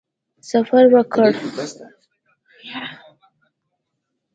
سفر وکړ.